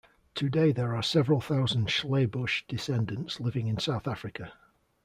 Today there are several thousand Schlebusch descendants living in South Africa.